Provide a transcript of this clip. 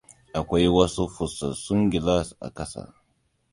Akwai wasu fasassun gilas a ƙasa.